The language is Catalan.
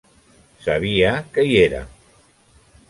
Sabia que hi érem.